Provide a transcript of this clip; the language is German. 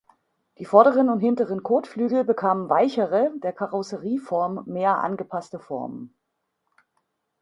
Die vorderen und hinteren Kotflügel bekamen weichere, der Karosserieform mehr angepasste Formen.